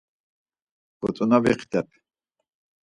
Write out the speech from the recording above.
Gotzonavixtep.